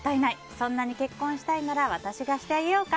そんなに結婚したいなら私がしてあげようか？